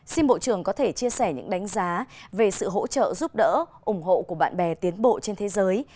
xin bộ trưởng có thể chia sẻ những đánh giá về sự hỗ trợ giúp đỡ ủng hộ của bạn bè tiến bộ trên thế giới